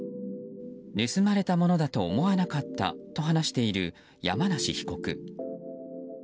盗まれたものだと思わなかったと話している山梨被告。